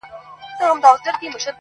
ته به وایې نې خپلوان نه یې سیالان دي-